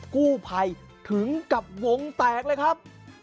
กู้ภัยถึงกับวงแตกเลยครับ